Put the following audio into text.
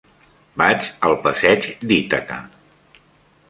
Vaig al passeig d'Ítaca.